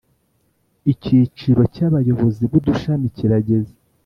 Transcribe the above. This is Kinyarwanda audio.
Icyiciro cy’Abayobozi b’udushami kirageze